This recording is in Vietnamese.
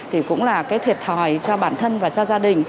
thì cũng là cái thiệt thòi cho bản thân và cho gia đình